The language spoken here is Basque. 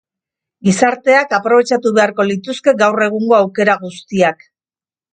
Gizarteak aprobetxatu beharko lituzke gaur egungo aukera guztiak.